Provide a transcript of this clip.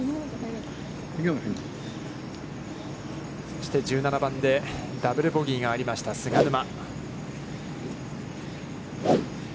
そして１７番ダブル・ボギーがありました菅沼。